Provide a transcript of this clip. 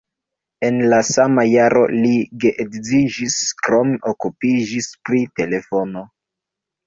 En la sama jaro li geedziĝis, krome okupiĝis pri telefono.